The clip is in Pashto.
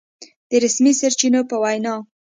د رسمي سرچينو په وينا